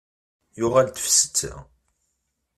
Yuɣal-d ɣef setta.